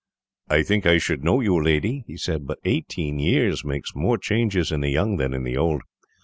"I think I should have known you, lady," he said; "but eighteen years makes more changes in the young than in the old.